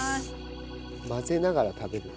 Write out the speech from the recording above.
混ぜながら食べる。